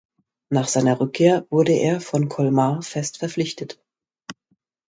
Nach seiner Rückkehr wurde er von Colmar fest verpflichtet.